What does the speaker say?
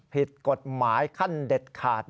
ผิดกฎหมายขั้นเด็ดขาด